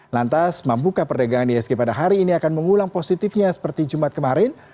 lantas mampukah perdagangan di esg pada hari ini akan mengulang positifnya seperti jumat kemarin